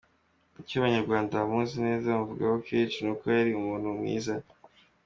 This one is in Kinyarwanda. Icyo abanyarwanda bamuzi neza bamuvugaho kenshi n’uko yari umuntu mwiza.